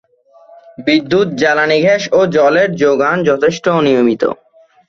বিদ্যুৎ, জ্বালানী গ্যাস ও জলের জোগান যথেষ্ট অনিয়মিত।